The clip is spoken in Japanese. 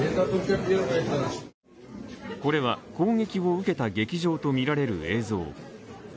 これは、攻撃を受けた劇場とみられる映像。